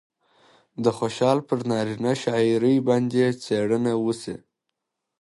د خوشال پر نارينه شاعرۍ باندې څېړنه وشي